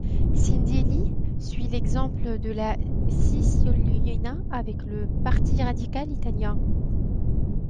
Cindy Lee suit l'exemple de la Cicciolina avec le Parti radical italien.